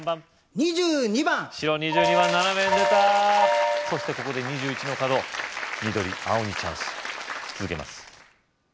２２番白２２番斜めに出たそしてここで２１の角緑・青にチャンス続けます